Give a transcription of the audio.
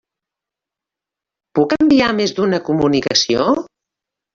Puc enviar més d'una comunicació?